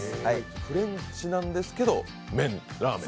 フレンチなんですけど麺、ラーメン。